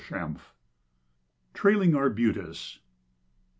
Raddin. TRAILING ARBUTUS.